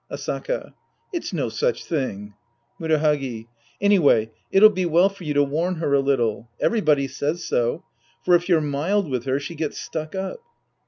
Asaka. It's no such thing. Murahagi. Anyway, it'll be well for you to warn her a little. Everybody says so. For if you're mild with her, she gets stuck up.